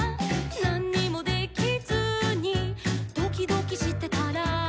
「なんにもできずにドキドキしてたら」